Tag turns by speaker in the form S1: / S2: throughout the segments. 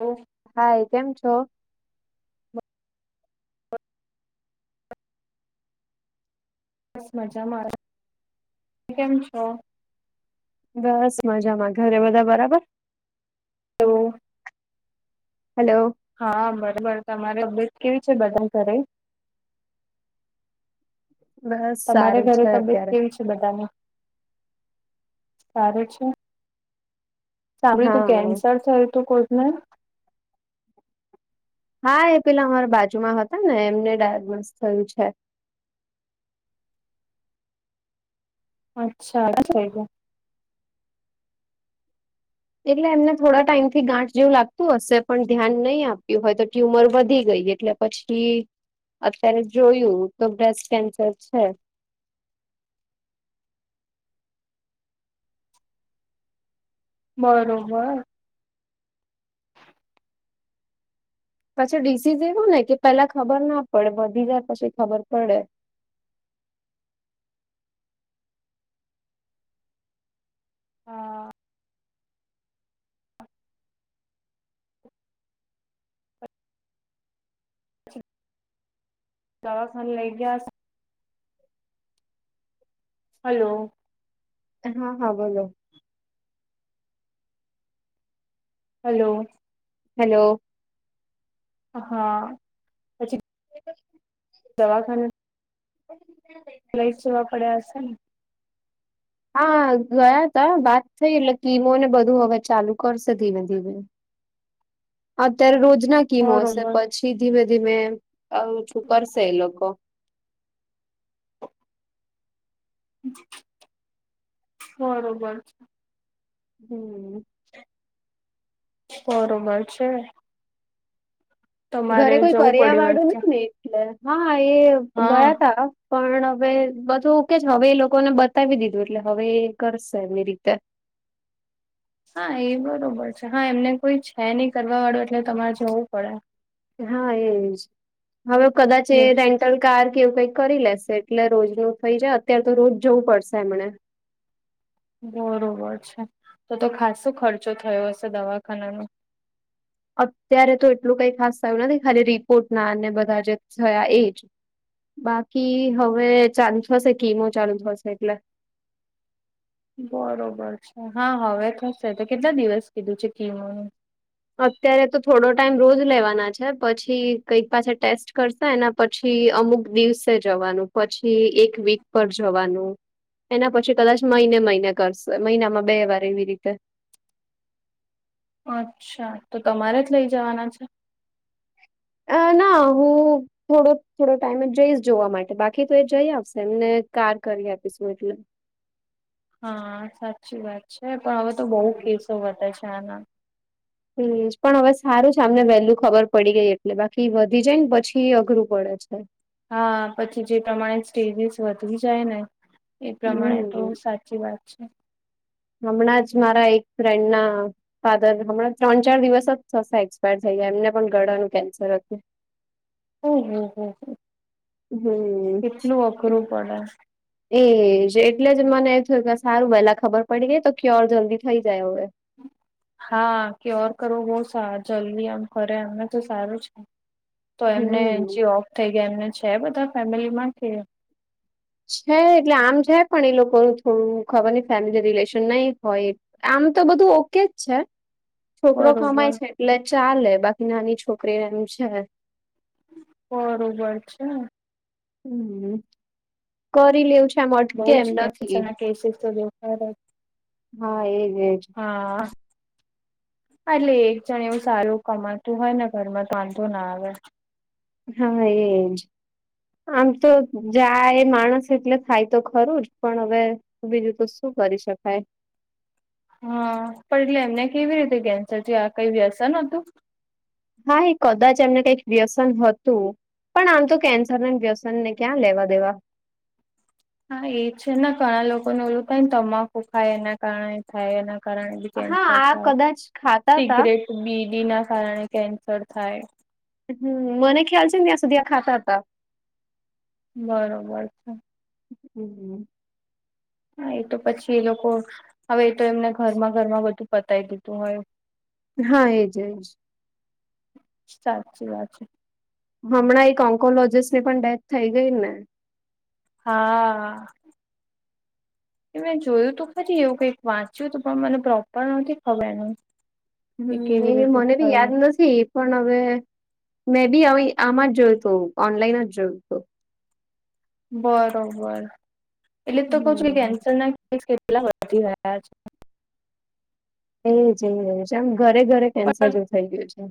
S1: હ
S2: હાય કેમ છો?
S1: બસ બસ મજા મા. કેમ છો?
S2: બસ મજામાં ઘરે બધા બરાબર?
S1: તો [unintelligible]
S2: હલો
S1: હા બરોબર તમારે અપડેસ કેવી છે બધા ઘરે
S2: બસ
S1: તમારે
S2: સારું
S1: ઘરે
S2: છે
S1: તબિયત
S2: અત્યારે.
S1: કેવી છે? બધાની સારું છે. સાંભળ્યું તું
S2: હા
S1: કેન્સર થય તું કોઈને?
S2: હા એ પેલા અમારા બાજુમાં હતા ને એમને ડાયગ્નોસ થયું છે.
S1: અચ્છા સ
S2: એટલે એમને થોડા ટાઈમ થી ગાંઠ જેવું લાગતું હશે પણ ધ્યાન નહી આપ્યું હોય તો ટ્યુમર વધી ગઈ એટલે પછી અત્યારે જોયું તો બ્રેસ્ટ કેન્સર છે
S1: બરોબર
S2: પછી ડીસીઝ એવું ને કે પેલા ખબર ના પડે બધી જાય પછી ખબર પડે.
S1: હા દવાખાન લઈ ગયા હલો
S2: હા હા બોલો
S1: હલો
S2: હેલો
S1: હા પછી દવાખાના
S2: [inaudible]
S1: લઈ જ જોવા પડ્યા હશે ને
S2: હા ગયા તા વાત થઈ એટલે કીમોને બધું હવે ચાલુ કરશે ધીમે ધીમે.
S1: [inaudible]
S2: અત્યારે રોજના કિમો હશે
S1: બરોબર
S2: પછી ધીમે ધીમે ઓછું કરશે એ લોકો.
S1: બરોબર
S2: હમ
S1: બરોબર છે. તમારે
S2: ઘરે કોઈ
S1: જવું
S2: કર્યા
S1: પડ્યું
S2: વાળું
S1: હશે
S2: હય ને એટલે હા એ
S1: હા
S2: ગયા તા પણ હવે બધું કે છે હવે એ લોકોને બતાવી દીધું એટલે હવે એ કરશે એમની રીતે.
S1: હા એ બરોબર છે હા એમને કોઈ છે નહી કરવા વાળુ એટલે તમારે જવું પડે.
S2: હા એજ હવે કદાચ એ
S1: લે
S2: રેન્ટલ કાર કે એવું કઈક કરી લેશે એટલે રોજ ન થઈ જાય અત્યારે તો રોજ જવું પડશે એમને
S1: બરોબર છે તો તો ખાસો ખર્ચો થયો હશે દવાખાના ન
S2: અત્યારે તો એટલું કઈ ખાસ થયું નથી ખાલી રિપોર્ટ ના અને બધા જે થયા એ જ. બાકી હવે ચાલુ થશે કિમો ચાલુ થશે એટલે
S1: બરોબર છે હા હવે થશે તો કેટલા દિવસ કીધું છે કીમોનુ?
S2: અત્યારે તો થોડો ટાઈમ રોજ લેવાના છે પછી કઈક પાસે ટેસ્ટ કરશે એના પછી અમુક દિવસે જવાનું પછી એક વીક પર જવાનું એના પછી કદાચ મહિને મહિને કરશે મહિનામાં બે વાર એવી રીતે.
S1: અચ્છા તો તમારે જ લઈ જવાના છે.
S2: અ ના હું થોડૂક થોડો ટાઈમે જઈશ જોવા માટે બાકી તો એ જઈ આવશે એમને કાર કરી આપીશું એટલે
S1: હા સાચી વાત છે પણ હવે તો બહુ
S2: હમ
S1: કેસો વધે છે આના
S2: હમ પણ હવે સારું છે આમને વેલ્લુ ખબર પડી ગઈ એટલે બાકી વધી જાય ને પછી અઘરું પડે છે.
S1: હા પછી જે પ્રમાણે સ્ટેજીસ વધી જાય ને એ પ્રમાણે તો
S2: હમ.
S1: સાચી વાત છે.
S2: હમણાં જ મારા એક ફ્રેન્ડ ના ફાધર હમણાં ત્રણ ચાર દિવસ જ થશે એક્સપાયર થઈ ગયા એમને પણ ગળાનું કેન્સર હતુ.
S1: હમ્મ હમ્મ હ
S2: હમ.
S1: કેટલું અઘરું પડે
S2: એજ એટલે જ મને એ થય સારું પહેલા ખબર પડી ને તો ક્યોર જલ્દી થઇ જાય હવે
S1: હા ક્યોર કરો બહ જલ્દી આમ કરરે અમને તો સારું છે. તો એમને
S2: હમ.
S1: જે ઓફ થઈ ગયા એમને છે બધા ફેમિલી માંથી કે
S2: છે એટલે આમ છે પણ એ લોકો થોડું ખબર નહ ફેમિલી રિલેશન નહી હોય આમ તો બધું ઓકે જ છે. છોકરો
S1: બરોબર
S2: કમાય છે એટલે ચાલે બાકી નાની છોકરી એમ છેને
S1: બરોબર છે.
S2: હમ્મ કરી લેવ છ કે એમ
S1: બઉ
S2: અટકે
S1: જ કેન્સર
S2: નથી
S1: ના કેસીસ તો દેખાય જ
S2: હા એજ એજ
S1: હા. એટલે એક જણ એવું સારું કમાતું હોય ને ઘરમાં તો વાંધો ના આવે
S2: હા એજ આમ તો જાય એ માણસ એટલે થાય તો ખરું જ પણ હવે બીજું તો શું કરી શકાય
S1: હા પણ એટલે એમને કેવી રીતે કેન્સર જે આ કઈ વ્યસન હતું
S2: હા એ કદાચ એમને કઈક વ્યસન હતું પણ આમ તો કેન્સર ના વ્યસન ને ક્યાં લેવા દેવા
S1: હા એ છે ને ઘણા લોકો ન ઓલું થાયને તમાકું ખાય એના કારણે થાય એના કારણે
S2: હા
S1: કેન્સર
S2: આ
S1: થાય
S2: કદાચ ખાતા તા
S1: સિગરેટ બીડી ના કારણે કેન્સર થાય
S2: હમ્મ મને ખ્યાલ છે ને ત્યાં સુધી આ ખાતા હતા
S1: બરોબર
S2: હમ્મ
S1: હા એ તો પછી એ લોકો હવે એ તો એમને ઘરમાં ઘરમાં બધું પતાય દીધું હોય
S2: હા એજ એજ
S1: સાચી વા છે
S2: હમણાં એક ઓન્કોલોજીસ્ટ ની પણ ડેથ થઈ ગઈ ને.
S1: હા. કે મેં જોયું તું ખરી એવું કઈક વાંચ્યું હતું પણ મને પ્રોપર નથી ખબર એનું કે
S2: હમ્મ
S1: કેવી
S2: એ
S1: રીતે
S2: મને બી યાદ
S1: થયું
S2: નથ બી પણ હવે મે બી હવે આમાં જ જોયું હતું ઓનલાઈન જ જોયું હતું
S1: બરોબર એટલે તો કહ છ કે
S2: હમ.
S1: કેન્સર ના કેસ કેટલા વધી રહ્યા છે.
S2: એજ એ છેમ ઘરે ઘરે કેન્સર
S1: પણ
S2: જે થઇ ગયું છે.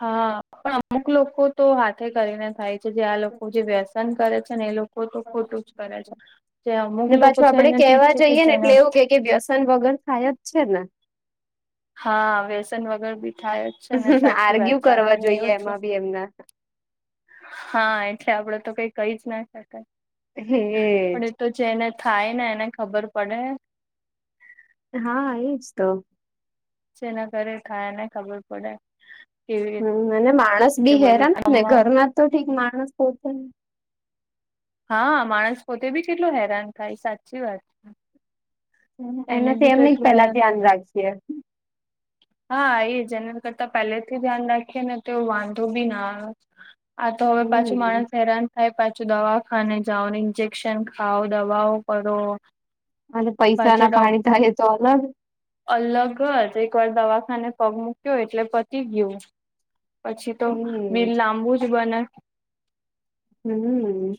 S1: હા પણ અમુક લોકો તો હાથે કરીને થાય છે જે આ લોકો જે વ્યસ્ત સંનકરે છે ને એ લોકો તો ખોટું જ કરે છે. જે અમુક
S2: ને
S1: લોકો
S2: પાછું
S1: છે
S2: આપડે
S1: એને ઠીક
S2: કેવા
S1: છે કે
S2: જઈએ ને
S1: જેને
S2: એટલે એવું કે કે વ્યસન વગર થાયજ છે ને.
S1: હા વ્યસન વગેર બી થાય છે ને સાચી વાત
S2: આર્ગ્યુ
S1: છે
S2: કરવા
S1: આપણને
S2: જોઈએ
S1: એવું જ છે
S2: એમાં બી એમના
S1: હા એટલે આપડે તો કઈ કઈ જ ના શકાય
S2: હેજ
S1: પણ એ તો જેને થાય ને એને ખબર પડે
S2: હા એજ તો
S1: જેના કર ખાયાને ખબર પડે કેવી
S2: હમ અને માણસ
S1: રીતે
S2: બી
S1: બધું
S2: હેરા ને ને
S1: આમાં.
S2: ઘરમાં તો ઠીક માણસ પોતેે ને
S1: હા માણસ પોતે બી કેટલું હેરાન થાય સાચી વાત. છે, એને બી
S2: એનાથી એમ ન
S1: તો એટલું
S2: પેલા
S1: હેરાન
S2: ધ્યાન
S1: થ
S2: રાખજે
S1: હા એ જના કરતા પહેલેથી ધ્યાન રાખીએ ને તે વાંધો બી ના આવે. આ તો હવે પાછું
S2: હમ.
S1: માણસ હેરાન. હ પાછું દવાખાને જાાવને ઇન્જેક્શન ખાાવ દવાઓ કરો.
S2: અલ.
S1: પાછા ડોક્ટર. અલગ જ એકવાર દવાખાને પગ મૂક્યો એટલે પતી ગયું. પછી તો
S2: એજ
S1: બિલ લાંબુ જ બને.
S2: હમ.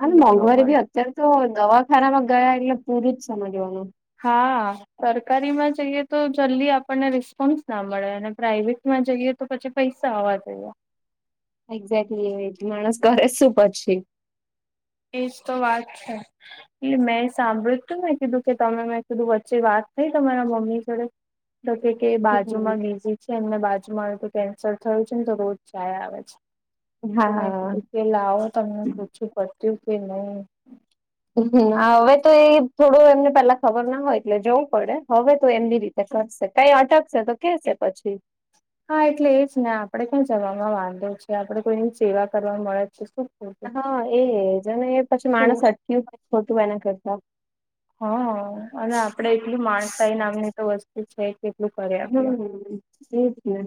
S2: અને મોંઘવારી
S1: બરોબર
S2: બી અત્યારે તો દવાખાનામાં ગયા એટલે પૂરું જ સમજવાનું.
S1: હા. સરકારીમાં જઈએ તો જલ્દી આપણને રિસ્પોન્સ ના મળે અને પ્રાાઈવેટમાં જઈએ. તો પછી પૈસા આવવા જોઈએ.
S2: એક્ઝેક્ટલી એ માણસ ઘરે શું પ છે.
S1: એજ તો વાત છે. એટલે મેં સાંભળ્યુંું મેં કીધું કે તમે મેં કીધું વચ્ચે વાત થઈ તમારા મમ્મી જોડે. તો કે કે બાજુમાં
S2: હમ
S1: બીજી. જે એમને બાજુમાં તો કેન્સલ થયું છે ને તો રોજ ચયા આવે છે તો મેં
S2: હા.
S1: કીધું. કે લાવો તમને પૂછું પડ્યું કે નહી.
S2: મ હવે તો એ થોડું એમને પેલા ખબર ના હોય એટલે જવું પડે હવે તો એમની રીતે. કરશે કઈ અટકશે તો કેશે પછી.
S1: હા એટલે એ જ ને આપડે કઈ જવામાં વાંધો છે આપડે કોઈની સેવા કરવા મળે છે શું. ખોટું
S2: હા એજ ને એ પછી
S1: શું
S2: માણસ અટુંછ ખોતું એના કરતા.
S1: હ અને આપડે એટલું માણસાાઈ નામની તો વસ્તુ છે. કેટલું. આપીએ
S2: હમ એજ ને.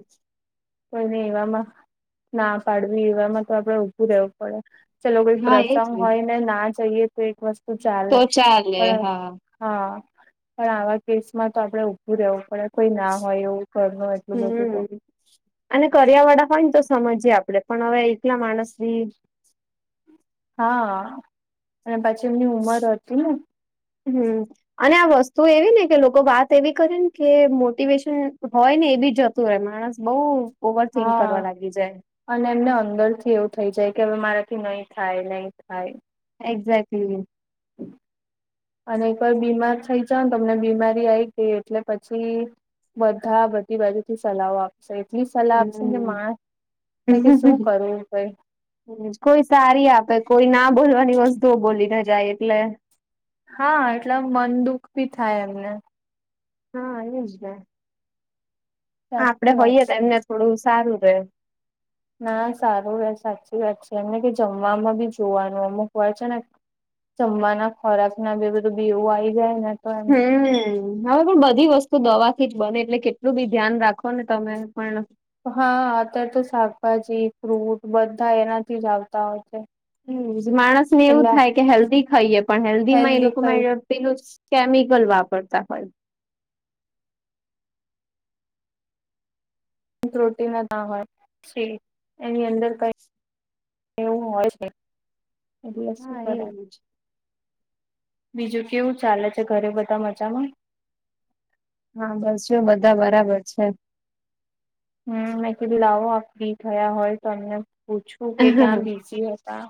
S1: કોઈને એવામાં ના પાડવી એવામાં તો આપડે ઉઊભું રહેવું પડે. ચલો કોઈ
S2: હા એજ
S1: પ્રસંગ હોય ને ના જઈએ તો એક વસ્તુ
S2: તો
S1: ચાલે.
S2: ચાલે
S1: પણ
S2: હા
S1: હા પણ આવા કેસ માં તો આપણેે ઉભું રહેવું પડે. કોઈ ના હોય એવું કર એટલું બધું તો.
S2: હમ અને કરિયા વાળા હોય ને તો સમજીએ આપડે પણ હવે એકલા માણસ.
S1: હા અને પછી એમની ઉમર હતી ને.
S2: હમ. અને આ વસ્તુ એવી ને કે લોકો વાત એવી કરે ને કે મોટિવેશન હોય ને એ બી જ. માણસ બહુ ઓવર થથીંક
S1: હા
S2: કરવા લાગી જાય.
S1: અને એમને અંદરથી એવું થઇ જાય કે હવે મારાથી નહી થાય નહી થાય.
S2: એક્ઝે્ટલી.
S1: અને કોઈ બીમાર થઇ જ ને તમને બીમારી આવી ગઈ એટલે પછી. બધા બધી બાજુ થી સલાહો આપ. એટલી સલાહ આપશે કે
S2: હમ.
S1: મા ક કે શું
S2: હમ.
S1: કરવું કઈ.
S2: કોઈ સારી આપે કોઈ ના બોલવાની વસ્તુઓ બોલી ના જાય એટલે.
S1: હા એટલે મન દુઃખ ભી થાય એમને.
S2: હા એવુંજ આપડે
S1: સાચી વાત
S2: હોઈએ તો
S1: છે
S2: એમને થોડું સારું રહે.
S1: ના સારું એ સાચી વાત છે એમને કે જમવામાં બી જોવાનું અમુક હોય છે ને. જમવા ના ખોરાક ના બે બધું બીવું આઈ જાય ને. તો એમ
S2: હમ. હવે પણ બધી વસ્તુ દવા થી જ બને એટલે કેટલું બી ધ્યાન રાખો ને તમે પણ.
S1: હા અત્યારે તો શાકભાજી ફ્રૂટ બધા એનાથી જ આવતા હોય છે.
S2: હમ માણસ ને એવું
S1: એટલે
S2: થાય કે હેલ્ધી ખાઈએ પણ હેલ્ધી માં એ લોકોમાં પેલું કેમિકલ વાપરતા હોય
S1: ત્રોટી ના ના હોય સ એની અંદર કઈ એવું હોય છે એટલે શું
S2: હા
S1: કરે
S2: એજ
S1: બીજું કેવું ચાલે છે ઘરે બધા મજામાં
S2: હા બસ બધા બરાબર છે
S1: હમ મે કિલ્લાઓ આી થયા હોય તો એમને પૂછવું કે ક્યાં બીજી હતા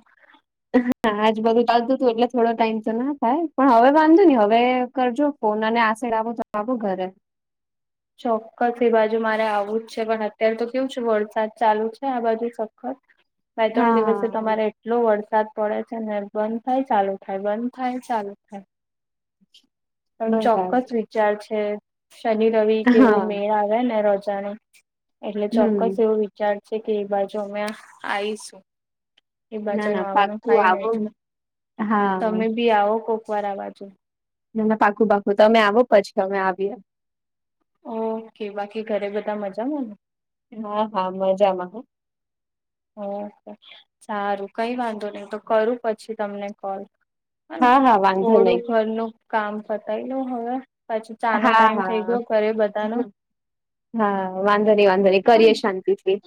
S2: હા આજ બધું ચાલતું હતું એટલે થોડો ટાઈમ તો ના થાય પણ હવે વાંધો નને હવે કરજો પોના ને આશળ આવો જો ઘરે
S1: ચોક્કસ એ બાજુ મારે આવું જ છે પણ અત્યારે તો કેવું છે વરસાદ ચાલુ છે આ બાજુ સખસ બે ત્રણ
S2: હા
S1: દિવસે તમારે એટલો વરસાદ પડે છે ને બંધ થાય ચાલુ થાય બંધ થાય ચાલુ થાય પણ ચોક્કસ
S2: બરાબર
S1: વિચાર છે શનિ રવિ કેવો
S2: હા
S1: મેળ આવે ને રોજાને એટલે ચોક્કસ
S2: હમ
S1: એવું વિચારશે કે એ બાજુ અમે આવીઈશું એ
S2: ના
S1: બાજા ન
S2: ના
S1: આવવાનું
S2: પાકું
S1: થાય
S2: આવો
S1: નેું
S2: હા
S1: તમે બી આવો કોક વાર આ બાજુ
S2: ના ના પાખું પાખું તો તમે આવો પછી અમે આવીએ
S1: ઓકે બાકી ઘરે બધા મજામાં ને
S2: હા હા મજામાં હ
S1: ઓકે સારું કઈ વાંધો નહીિ તો કરું પછી તમને કોલ
S2: હા હા વાંધો
S1: થોડું
S2: નહી
S1: ઘરનું કામ પતાય લ હવે પછી ચાનો
S2: હા
S1: ટાઈમ થઇ
S2: હા
S1: ગયો ઘરે બધાનો
S2: હા
S1: એટલે
S2: વાંધા નહી વાંધા નહી
S1: હ
S2: કરીએ
S1: ને
S2: શાંતિ થી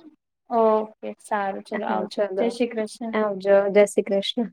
S1: ઓકે સારું ચાલ આવજો જય શ્રી કૃષ્ણ.
S2: જ જય શ્રી કૃષ્ણ.